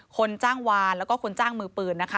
คนจ้างวานแล้วก็คนจ้างมือปืนนะคะ